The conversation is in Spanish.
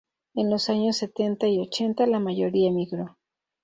En los años setenta y ochenta, la mayoría emigró.